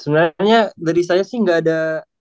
sebenarnya dari saya sih nggak ada